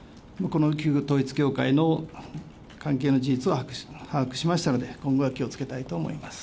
この旧統一教会の関係の事実を把握しましたので、今後は気をつけたいと思います。